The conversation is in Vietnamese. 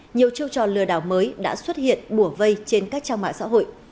nhiều chiêu trò lừa đảo mới đã xuất hiện bùa vây trên các trang mạng xã hội